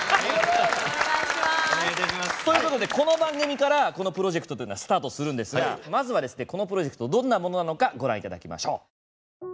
ということでこの番組からこのプロジェクトというのはスタートするんですがまずはですね、このプロジェクトどんなものなのかご覧いただきましょう。